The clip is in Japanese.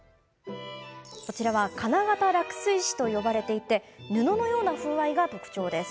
こちらは金型落水紙と呼ばれ布のような風合いが特徴です。